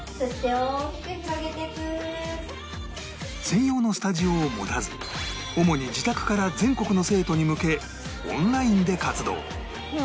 専用のスタジオを持たず主に自宅から全国の生徒に向けオンラインで活動